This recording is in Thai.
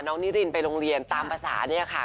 น้องนิรินไปโรงเรียนตามประสานี่ค่ะ